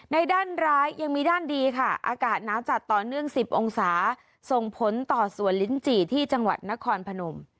ด้านร้ายยังมีด้านดีค่ะอากาศน้าจัดต่อเนื่อง๑๐องศาส่งผลต่อสวนลิ้นจี่ที่จังหวัดนครพนม